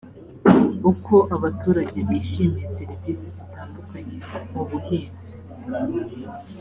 uko abaturage bishimiye serivisi zitandukanye mu buhinzi